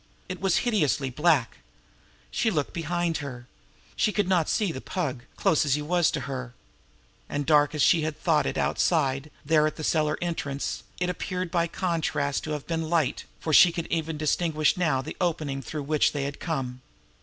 It was hideously black. She looked behind her. She could not see the Pug, close as he was to her; and dark as she had thought it outside there at the cellar entrance, it appeared by contrast to have been light, for she could even distinguish now the opening through which they had come.